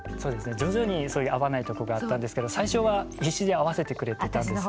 徐々にそういう合わないとこがあったんですけど最初は必死に合わせてくれてたんですよ。